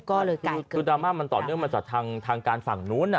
ครูดามาต่อเนื่องมาจากทางการฝั่งนู้น